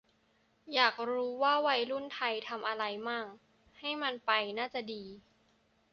อยากรู้ว่าวัยรุ่นไทยทำไรมั่ง ให้มันไปน่าจะดี